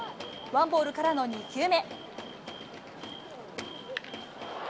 ワンボールからの２球目。